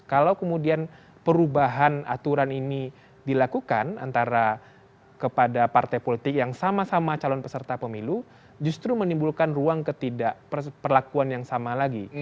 kalau kemudian perubahan aturan ini dilakukan antara kepada partai politik yang sama sama calon peserta pemilu justru menimbulkan ruang ketidakperlakuan yang sama lagi